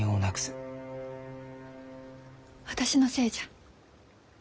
私のせいじゃ。